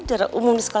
jura umum di sekolah